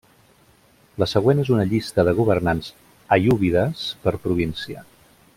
La següent és una llista de governants aiúbides per província.